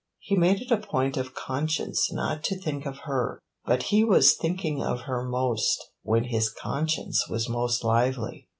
He made it a point of conscience not to think of her, but he was thinking of her most when his conscience was most lively.